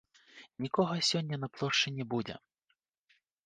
Нікога сёння на плошчы не будзе.